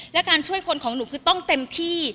และการช่วยคนของหนูคือต้องเต็มที่